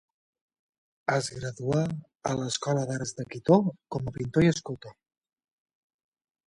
Es graduà a l'escola d'arts de Quito com a pintor i escultor.